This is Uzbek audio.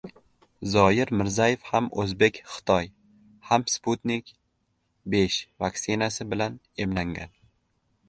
Zoyir Mirzayev ham o‘zbek-xitoy, ham Sputnik V vaksinasi bilan emlangan